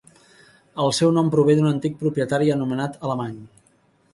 El seu nom prové d'un antic propietari anomenat Alemany.